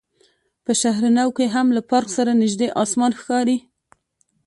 په شهر نو کې هم له پارک سره نژدې اسمان ښکاري.